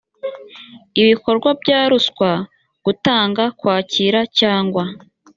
ibikorwa bya ruswa gutanga kwakira cyangwa